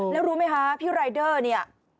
แล้วรู้ไหมคะพี่รายเดอร์เนี่ย